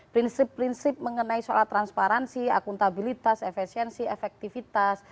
prinsip prinsip mengenai soal transparansi akuntabilitas efisiensi efektivitas